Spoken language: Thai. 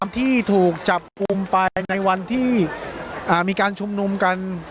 ที่ถูกจับกลุ่มไปในวันที่มีการชุมนุมกัน